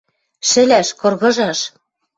— «Шӹлӓш», «кыргыжаш!»